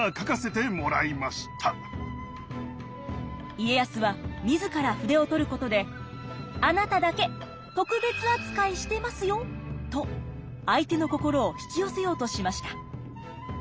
家康は自ら筆を執ることであなただけ特別扱いしてますよと相手の心を引き寄せようとしました。